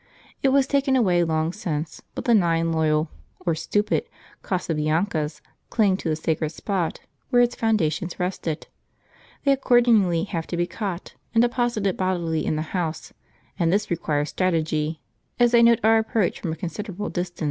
It was taken away long since, but the nine loyal (or stupid) Casabiancas cling to the sacred spot where its foundations rested; they accordingly have to be caught and deposited bodily in the house, and this requires strategy, as they note our approach from a considerable distance.